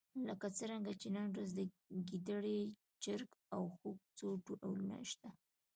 لکه څرنګه چې نن ورځ د ګېدړې، چرګ او خوګ څو ډولونه شته.